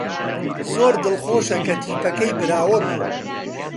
زۆر دڵخۆشە کە تیپەکەی براوە بوو.